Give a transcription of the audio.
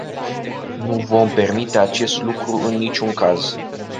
Nu vom permite acest lucru în niciun caz.